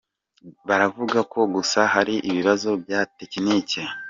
Baravuga ko gusa hari ibibazo bya tekiniki.